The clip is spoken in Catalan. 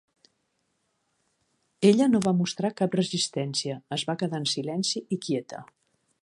Ella no va mostrar cap resistència; es va quedar en silenci i quieta.